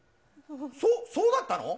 そっ、そうだったの？